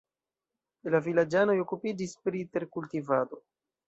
La vilaĝanoj okupiĝis pri terkultivado.